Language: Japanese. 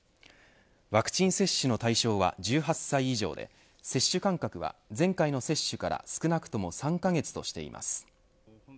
ワクチン接種の対象は１８歳以上で、接種間隔は前回の接種から少なくとも３カ月としています。